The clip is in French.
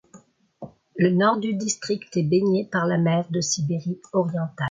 Le nord du district est baigné par la mer de Sibérie orientale.